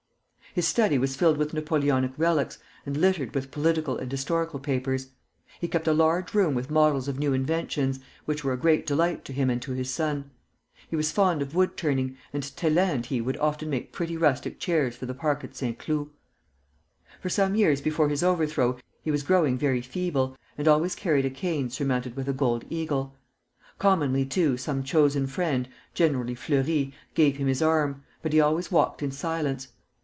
His study was filled with Napoleonic relics, and littered with political and historical papers. He kept a large room with models of new inventions, which were a great delight to him and to his son. He was fond of wood turning, and Thélin and he would often make pretty rustic chairs for the park at Saint Cloud. For some years before his overthrow he was growing very feeble, and always carried a cane surmounted with a gold eagle. Commonly too some chosen friend, generally Fleury, gave him his arm, but he always walked in silence.